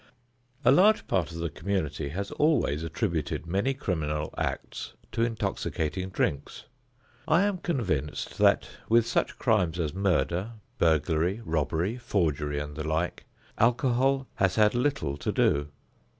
A large part of the community has always attributed many criminal acts to intoxicating drinks. I am convinced that with such crimes as murder, burglary, robbery, forgery and the like, alcohol has had little to do.